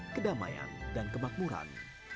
kedamaian dan kemakmuran